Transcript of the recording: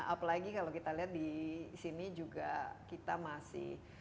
apalagi kalau kita lihat di sini juga kita masih